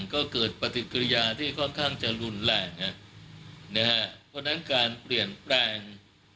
ก็เกิดปฏิกิริยาที่ค่อนข้างจะรุนแรงนะฮะเพราะฉะนั้นการเปลี่ยนแปลง